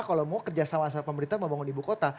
kalau mau kerjasama sama pemerintah membangun ibu kota